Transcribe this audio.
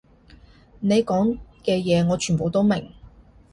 你講嘅嘢我全部都明